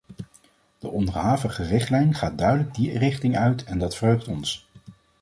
De onderhavige richtlijn gaat duidelijk die richting uit en dat verheugt ons.